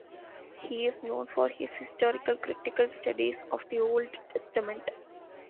He is known for his historical-critical studies of the Old Testament.